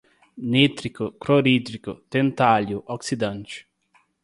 nítrico, clorídrico, tantálio, oxidante